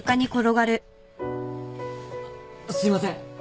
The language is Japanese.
あっすいません。